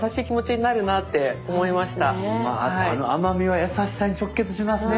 あの甘みは優しさに直結しますね。